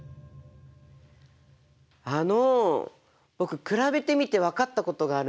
あの僕比べてみて分かったことがあるんですよ。